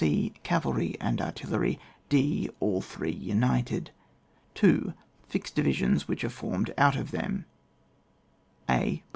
e. Cavalry and artillery. d. All three united. 2. Fixed divisions which are formed out of them :— a.